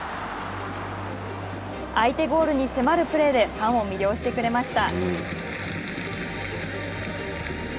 相手ゴールに迫るプレーでファンを魅了してくれました。